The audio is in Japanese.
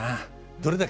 どれだけ。